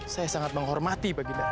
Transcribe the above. saya sangat menghormati baginda raja